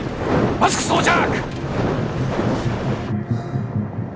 マスク装着！